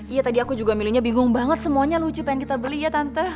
iya tadi aku juga milunya bingung banget semuanya lucu pengen kita beli ya tante